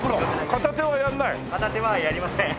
片手はやりません。